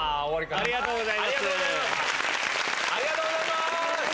ありがとうございます。